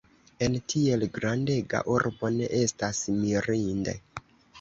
En tiel grandega urbo ne estas mirinde.